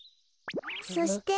そして。